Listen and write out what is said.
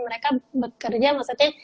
mereka bekerja maksudnya